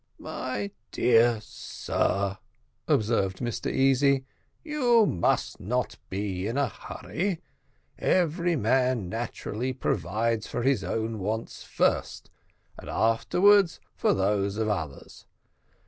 "My dear sir," observed Mr Easy, "you must not be in a hurry; every man naturally provides for his own wants first, and afterwards for those of others.